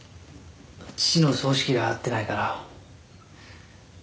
父の葬式以来会ってないから。